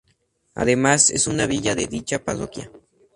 Además es una villa de dicha parroquia.